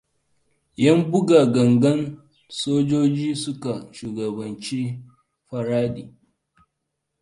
'Yan buga gangan sojoji suka shugabanci faredi.